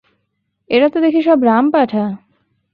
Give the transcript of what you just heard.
এরা তো দেখি সব রামপাঠা!